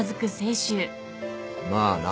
まあな。